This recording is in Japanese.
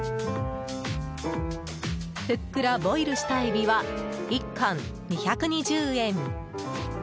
ふっくらボイルしたエビは１貫２２０円。